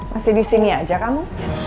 masih disini aja kamu